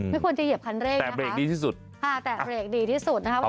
ไม่ควรจะเหยียบคันเร่งนะเรกดีที่สุดค่ะแต่เบรกดีที่สุดนะครับ